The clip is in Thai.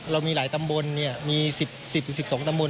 เรามีหลายตำบลมี๑๐๑๒ตำบล